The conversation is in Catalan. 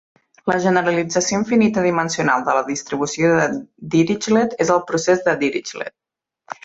La generalització infinita dimensional de la distribució de Dirichlet és el "procès de Dirichlet".